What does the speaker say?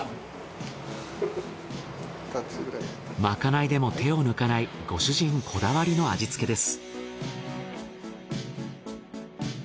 まかないでも手を抜かないご主人こだわりの味付けです。